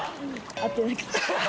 合ってなかった。